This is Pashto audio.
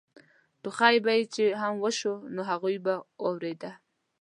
ټوخی به چې هم وشو نو هغوی به اورېده.